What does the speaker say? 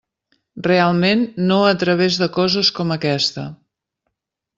Realment, no a través de coses com aquesta.